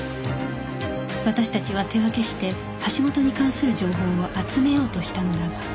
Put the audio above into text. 私たちは手分けして橋本に関する情報を集めようとしたのだが